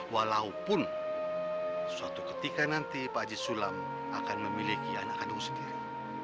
walaupun suatu ketika nanti pak aji sulam akan memiliki anak kandung sendiri